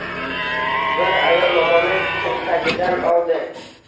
Bir ayol momoni tirsagidan oldi.